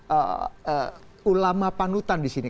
ee ulama panutan di sini